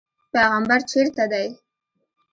پیغمبر چېرته دی.